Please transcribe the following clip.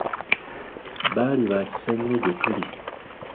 Baali ba kisa nnyo gye tuli.